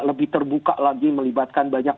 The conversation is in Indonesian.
lebih terbuka lagi melibatkan banyak